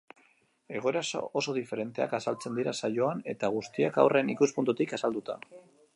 Egoera oso diferenteak azaltzen dira saioan eta guztiak haurren ikuspuntutik azalduta.